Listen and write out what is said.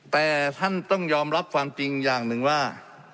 แต่ท่านต้องยอมรับความจริงอย่างหนึ่งว่า